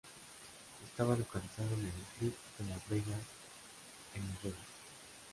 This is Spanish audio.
Estaba localizado en el Strip de Las Vegas, en Las Vegas.